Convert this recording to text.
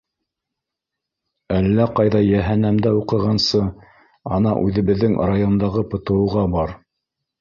— Әллә ҡайҙа йәһәннәмдә уҡығансы, ана, үҙебеҙҙең райондағы ПТУ-ға бар.